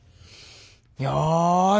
よし！